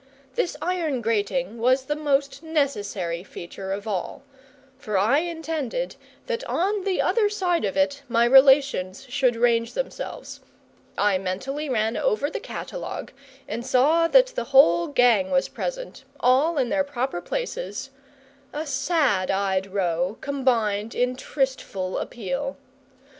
This iron grating was the most necessary feature of all, for I intended that on the other side of it my relations should range themselves I mentally ran over the catalogue, and saw that the whole gang was present, all in their proper places a sad eyed row, combined in tristful appeal.